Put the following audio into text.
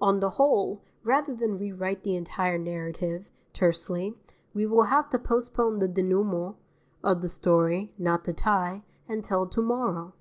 On the whole, rather than rewrite the entire narrative, tersely, we will have to postpone the dénouement (of the story, not the tie) until to morrow.